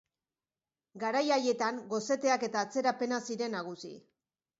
Garai haietan goseteak eta atzerapena ziren nagusi.